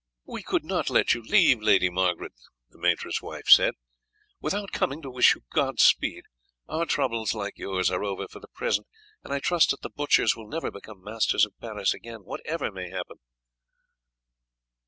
"We could not let you leave, Lady Margaret," his wife said, "without coming to wish you God speed. Our troubles, like yours, are over for the present, and I trust that the butchers will never become masters of Paris again, whatever may happen."